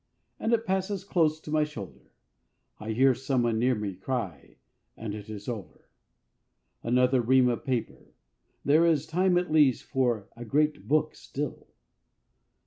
And it passes close to my shoulder; I hear someone near me cry, and it is over.... Another ream of paper; there is time at least for the Great Book still.